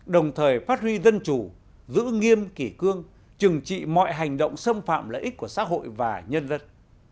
đồng thời phát huy dân chủ giữ nghiêm kỷ cương trừng trị mọi hành động xâm phạm lợi ích của xã hội và nhân dân